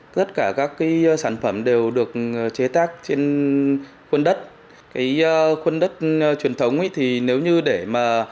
tất cả các cái sản phẩm đều được chế tác trên khuôn đất cái khuôn đất truyền thống ấy thì nếu như để mà